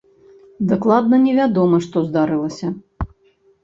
Дакладна не вядома, што здарылася.